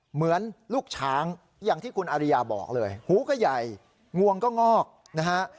เหมือนลูกช้างอย่างที่คุณอริยาบอกเลยหูก็ใหญ่งวงก็งอกนะฮะ